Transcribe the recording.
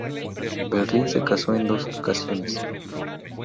Berlin se casó en dos ocasiones.